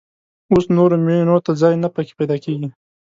اوس نورو مېنو ته ځای نه په کې پيدا کېږي.